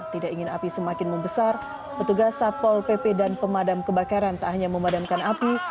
tidak ingin api semakin membesar petugas satpol pp dan pemadam kebakaran tak hanya memadamkan api